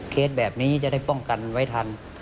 เคสแบบนี้จะได้ป้องกันไว้ทัน